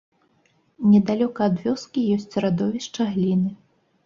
Недалёка ад вёскі ёсць радовішча гліны.